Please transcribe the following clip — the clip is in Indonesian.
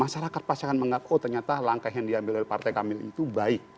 satu titiknya nanti masyarakat pasti akan mengaku oh ternyata langkah yang diambil oleh partai kami itu baik